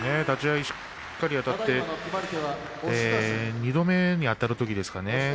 立ち合いしっかりとあたって２度目にあたるときですかね